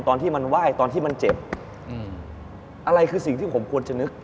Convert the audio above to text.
ตอนที่มันไหว้ตอนที่มันเจ็บอืมอะไรคือสิ่งที่ผมควรจะนึก